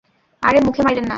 আরে, মুখে মাইরেন না।